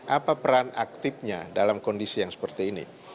apa peran aktifnya dalam kondisi yang seperti ini